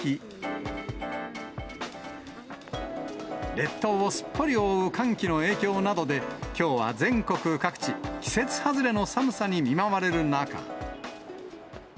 列島をすっぽり覆う寒気の影響などで、きょうは全国各地、季節外れの寒さに見舞われる中。